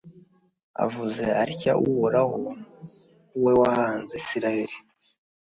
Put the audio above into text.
avuze atya uhoraho, we wahanze israheli,